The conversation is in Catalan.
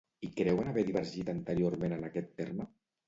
I creuen haver divergit anteriorment en aquest terme?